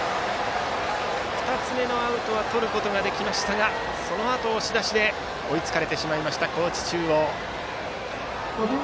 ２つ目のアウトはとることができましたがそのあと、押し出しで追いつかれてしまいました高知中央。